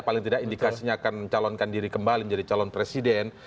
paling tidak indikasinya akan mencalonkan diri kembali menjadi calon presiden